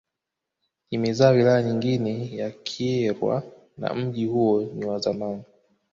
Imezaa wilaya nyingine ya Kyerwa na mji huo ni wa zamani